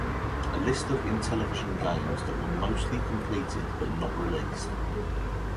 A list of Intellivision games that were mostly completed but not released.